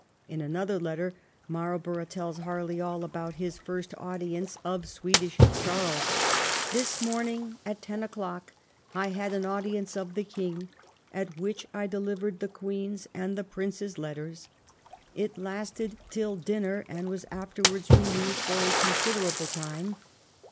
In another letter Marlborough tells Harley all about his first audience of Swedish Charles. ' This morning at ten o'clock I had an audience of the king, at which I delivered the queen's and the prince's letters. It lasted till dinner, and was afterwards renewed for a considerable time.